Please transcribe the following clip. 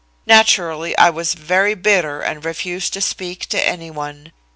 Naturally I was very bitter and refused to speak to any one.